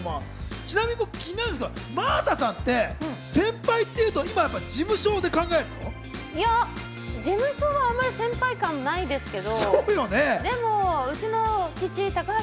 ちなみに気になるんですけど、真麻さんって先輩っていうと、事務所はあんまり先輩感はないですけど。